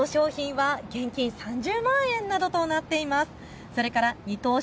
１等賞品は現金３０万円などとなっています。